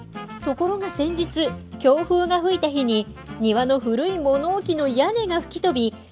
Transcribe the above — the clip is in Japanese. ところが先日強風が吹いた日に庭の古い物置の屋根が吹き飛び